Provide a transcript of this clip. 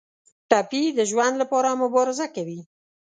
ټپي د ژوند لپاره مبارزه کوي.